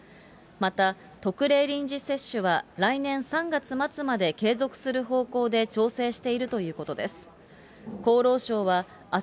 また、特例臨時接種は来年３月末まで継続する方向で調整しているということです。